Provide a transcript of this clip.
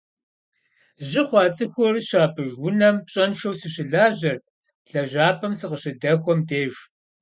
Жьы хъуа цӏыхухэр щапӏыж унэм пщӏэншэу сыщылажьэрт лэжьапӏэм сыкъыщыдэхуэм деж.